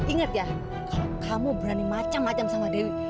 ingat ya kalau kamu berani macem macem sama dewi